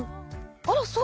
あらそう。